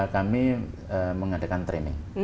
kami mengadakan training